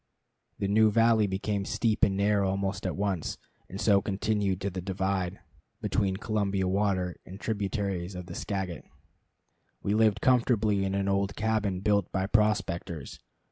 The new valley became steep and narrow almost at once, and so continued to the divide between Columbia water and tributaries of the Skagit. We lived comfortably in an old cabin built by prospectors.